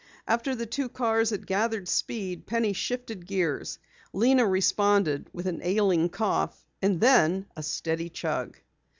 After the two cars had gathered speed, Penny shifted gears. Lena responded with an ailing cough and then a steady chug.